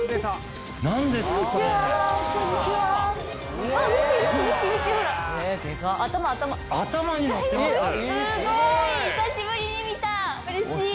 すごい！